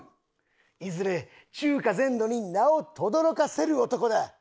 いずれ中華全土に名を轟かせる男だ！